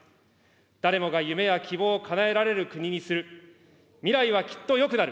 誰もが夢や希望をかなえられる国にする、未来はきっとよくなる、